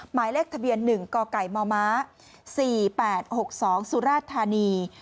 หมายเลขทะเบียน๑กกมม๔๘๖๒สุราธานี